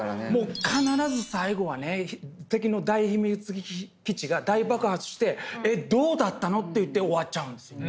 必ず最後はね敵の大秘密基地が大爆発してえっどうだったの⁉っていって終わっちゃうんですよ。